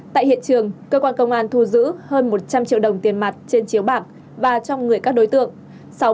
tại hiện trường cơ quan công an thu giữ hơn một trăm linh triệu đồng tiền mặt trên chiếu bạc và trong người các đối tượng